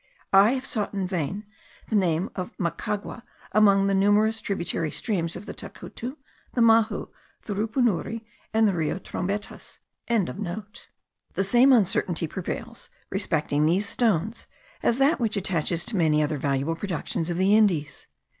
I have sought in vain the name of Macagua among the numerous tributary streams of the Tacutu, the Mahu, the Rupunury, and the Rio Trombetas.) The same uncertainty prevails respecting these stones, as that which attaches to many other valuable productions of the Indies.